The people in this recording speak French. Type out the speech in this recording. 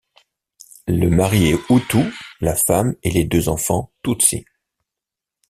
Le mari est hutu, la femme et les deux enfants tutsi.